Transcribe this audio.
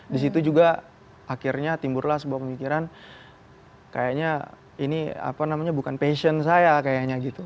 di situ juga akhirnya timbirlah sebuah pemikiran kayaknya ini bukan passion saya kayaknya gitu